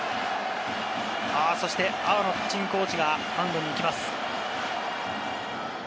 そして阿波野ピッチングコーチがマウンドに行きます。